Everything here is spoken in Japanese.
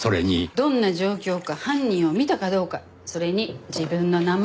どんな状況か犯人を見たかどうかそれに自分の名前。